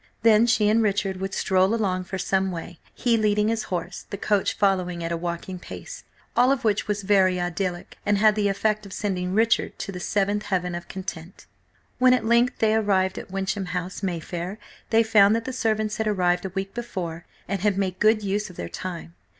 Then she and Richard would stroll along for some way, he leading his horse, the coach following at a walking pace. All of which was very idyllic, and had the effect of sending Richard to the seventh heaven of content. When at length they arrived at Wyncham House, Mayfair, they found that the servants had arrived a week before, and had made good use of their time.